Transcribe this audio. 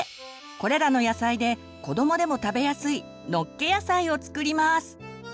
これらの野菜で子どもでも食べやすい「のっけ野菜」を作ります！